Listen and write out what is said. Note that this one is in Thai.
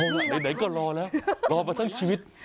ไหนก็รอแล้วรอมาทั้งชีวิต